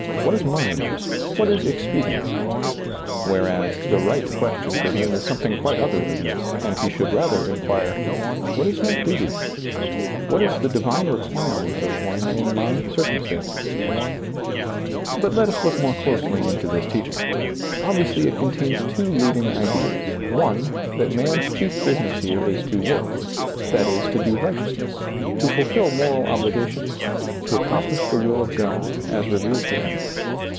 what is my interest? what is expedient ?" whereas, the right question for him is something quite other than this, and he should rather inquire, " What is my duty ? what is the divine requirement of one in my circum stances ?" But let us look more closely into this teaching. Obviously it contains two leading ideas — one, that man's chief business here is to work — that is, to do righteousness, to fulfill moral obligation, to accomplish the will of God, as revealed to him.